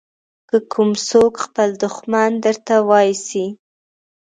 که کوم څوک خپل دښمن درته واېسي.